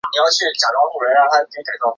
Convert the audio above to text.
有子魏朝琮。